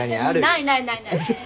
ないないないない。